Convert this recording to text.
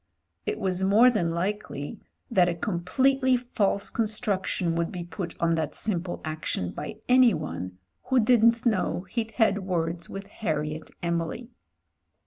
It was more than likely that a completely false construction would be put on that simple action by anyone who didn't know he'd had words with Harriet Emily.